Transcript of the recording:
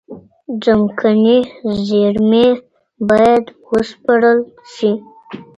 ځمکني زېرمي بايد و سپړل سي.